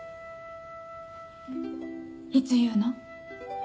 いつ言うの？